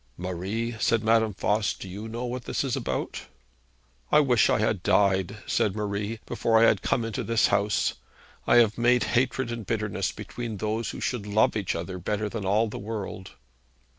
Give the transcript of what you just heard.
'Marie,' said Madame Voss, 'do you know what this is about?' 'I wish I had died,' said Marie, 'before I had come into this house. I have made hatred and bitterness between those who should love each other better than all the world!'